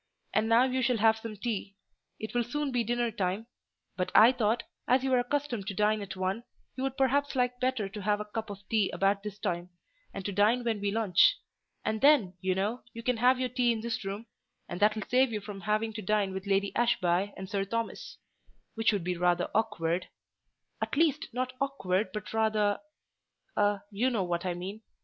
And now you shall have some tea—it will soon be dinner time, but I thought, as you were accustomed to dine at one, you would perhaps like better to have a cup of tea about this time, and to dine when we lunch: and then, you know, you can have your tea in this room, and that will save you from having to dine with Lady Ashby and Sir Thomas: which would be rather awkward—at least, not awkward, but rather—a—you know what I mean.